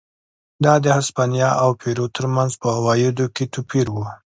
دا د هسپانیا او پیرو ترمنځ په عوایدو کې توپیر و.